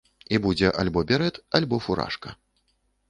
І будзе альбо берэт, альбо фуражка.